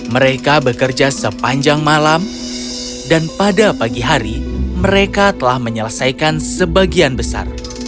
mereka bekerja sepanjang malam dan pada pagi hari mereka telah menyelesaikan sebagian besar